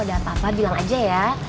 nanti kalau ada apa apa bilang aja ya